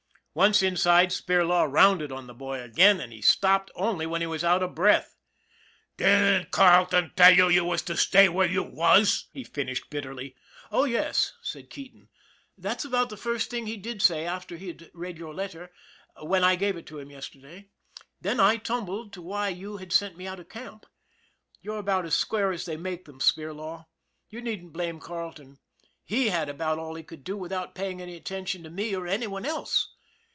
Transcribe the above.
Once inside, Spirlaw rounded on the boy again, and he stopped only when he was out of breath. " Didn't Carleton tell you to stay where you was ?" he finished bitterly. "Oh yes," said Keating, "that's about the first thing he did say after he had read your letter, when I gave it to him yesterday. Then I tumbled to why you had sent me out of camp. You're about as square as they make them, Spirlaw. You needn't blame Carle ton, he had about all he could do without paying any attention to me or any one else.